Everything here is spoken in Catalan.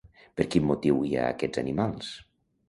Per quin motiu hi ha aquests animals?